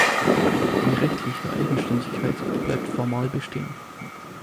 Die rechtliche Eigenständigkeit bleibt formal bestehen.